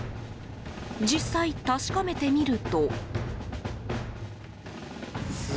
実際、確かめてみると。